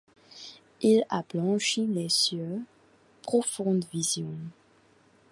Il a blanchi les-cieux, profonde vision